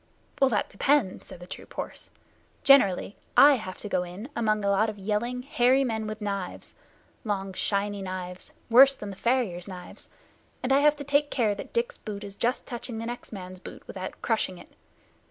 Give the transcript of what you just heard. "That depends," said the troop horse. "Generally I have to go in among a lot of yelling, hairy men with knives long shiny knives, worse than the farrier's knives and I have to take care that Dick's boot is just touching the next man's boot without crushing it.